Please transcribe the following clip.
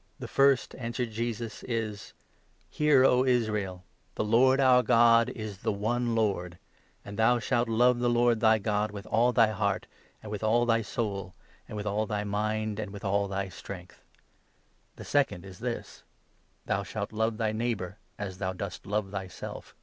" "The first," answered Jesus, "is — 29 ' Hear, O Israel ; the Lord our God is the one Lord ; and 30 thbu shalt love the Lord thy God with all thy heart, and with all thy soul, and with all thy mind, and with all thy strength.' The second is this — 31 ' Thou shalt love thy neighbour as thou dost love thyself.'